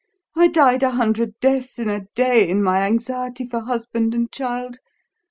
I died a hundred deaths in a day in my anxiety for husband and child.